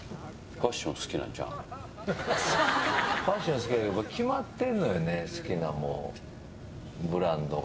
ファッション好きやけど、決まってるのよね、好きなもん、ブランドが。